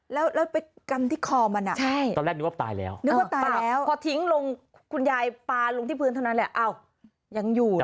แล้วเป็นกรรมที่คอมันอ่ะตอนแรกนึกว่าตายแล้วพอทิ้งลงคุณยายปลาลงที่พื้นเท่านั้นแหละอ้าวยังอยู่นะงู